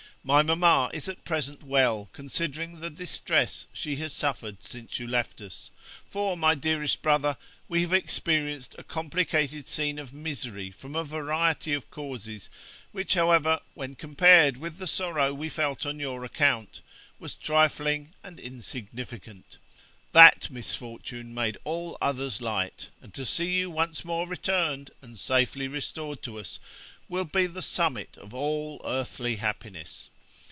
My mamma is at present well, considering the distress she has suffered since you left us; for, my dearest brother, we have experienced a complicated scene of misery from a variety of causes, which, however, when compared with the sorrow we felt on your account, was trifling and insignificant; that misfortune made all others light, and to see you once more returned, and safely restored to us, will be the summit of all earthly happiness.